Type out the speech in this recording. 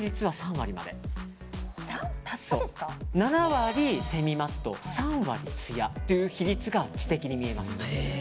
７割セミマット３割つやという比率が知的に見えます。